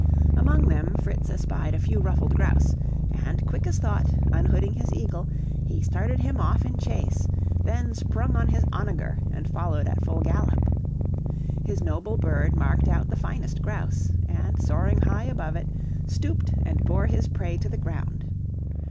Among them Fritz espied a few ruffed grouse, and, quick as thought, unhooding his eagle, he started him off in chase, then sprung on his onager and followed at full gallop. His noble bird marked out the finest grouse, and, soaring high above it, stooped and bore his prey to the ground.